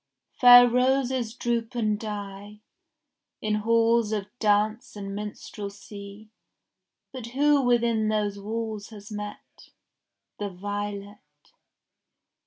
Fair roses droop and die In halls of dance and minstrelsy; But who within those walls has met The violet?